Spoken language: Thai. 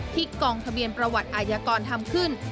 กองทะเบียนประวัติอายากรทำขึ้น